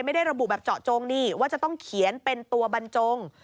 ไม่ได้ระบุแบบเจาะจงนี่ว่าจะต้องเขียนเป็นตัวบรรจง